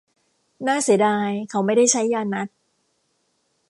น่าเสียดายเขาไม่ได้ใช้ยานัตถ์